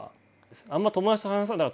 あんま友達と話さなかった。